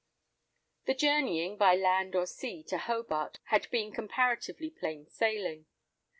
The journeying by land or sea to Hobart had been comparatively plain sailing.